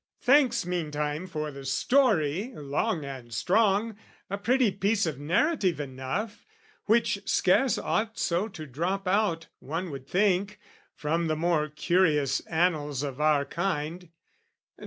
"Thanks meantime for the story, long and strong, "A pretty piece of narrative enough, "Which scarce ought so to drop out, one would think, "From the more curious annals of our kind.